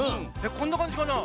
こんなかんじかな？